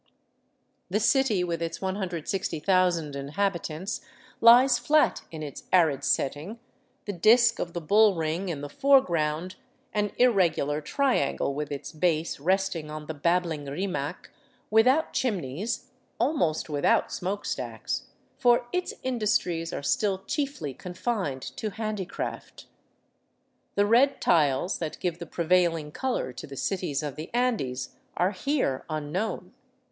The city with its 160,000 inhabitants lies flat in its arid setting, the disk of the bull ring in the foreground, an irregu lar triangle with its base resting on the babbling Rimac, without chim neys, almost without smoke stacks; for its industries are still chiefly confined to handicraft. The red tiles that give the prevailing color to the cities of the Andes are here unknown.